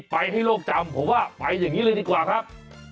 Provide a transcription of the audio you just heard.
ไปให้โลกจำผมว่าไปอย่างนี้เลยดีกว่าครับ